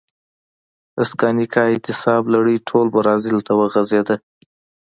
د سکانیا اعتصاب لړۍ ټول برازیل ته وغځېده.